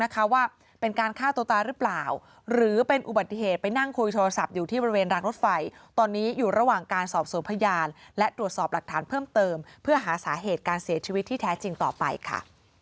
ว่าเป็นการฆ่าตัวตายหรือเปล่าหรือเป็นอุบัติเหตุไปนั่งคุยโทรศัพท์อยู่ที่บริเวณรางรถไฟตอนนี้อยู่ระหว่างการสอบสวนพยานและตรวจสอบหลักฐานเพิ่มเติมเพื่อหาสาเหตุการเสียชีวิตที่แท้จริงต่อไปค่ะ